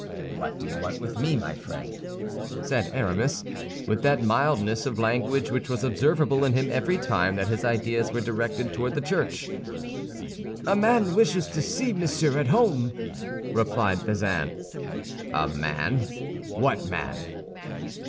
"What do you want with me, my friend?" said Aramis, with that mildness of language which was observable in him every time that his ideas were directed toward the Church. "A man wishes to see Monsieur at home," replied Bazin. "A man! What man?"